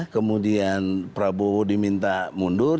kemudian prabowo diminta mundur